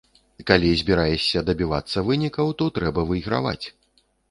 Калі збіраешся дабівацца вынікаў, то трэба выйграваць.